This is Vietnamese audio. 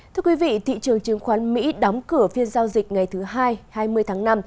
thưa quý vị thị trường chứng khoán mỹ đóng cửa phiên giao dịch ngày thứ hai hai mươi tháng năm